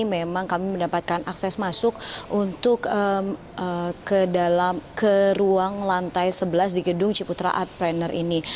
memang kami mendapatkan akses masuk untuk ke ruang lantai sebelas di gedung ciputra art planner ini